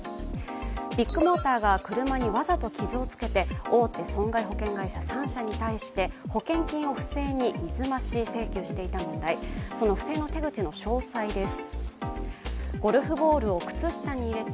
ビッグモーターが車にわざと傷をつけて大手損害保険会社３社に対して保険金を不正に水増し請求していた問題、その不正の手口の詳細です。